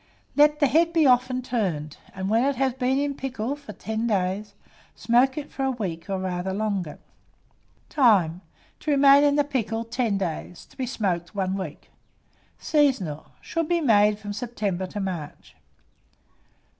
Let the head be often turned, and when it has been in the pickle for 10 days, smoke it for a week or rather longer. Time. To remain in the pickle 10 days; to be smoked 1 week. Seasonable. Should be made from September to March.